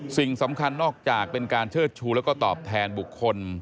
สิ่งสำคัญนอกจากเป็นการเชิดชูแล้วก็ตอบแทนบุคคล